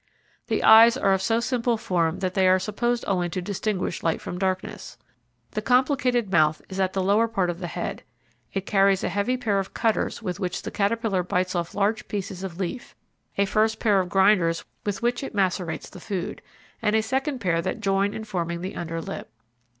The eyes are of so simple form that they are supposed only to distinguish light from darkness. The complicated mouth is at the lower part of the head. It carries a heavy pair of cutters with which the caterpillar bites off large pieces of leaf, a first pair of grinders with which it macerates the food, and a second pair that join in forming the under lip.